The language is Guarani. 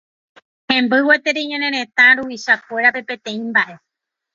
Hemby gueteri ñane retã ruvichakuérape peteĩ mba'e